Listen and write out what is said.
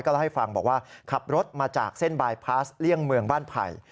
เล่าให้ฟังบอกว่าขับรถมาจากเส้นบายพาสเลี่ยงเมืองบ้านไผ่